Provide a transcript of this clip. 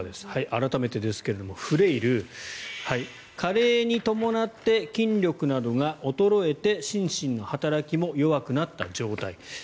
改めてですがフレイル加齢に伴って筋力などが衰えて心身の働きも弱くなった状態。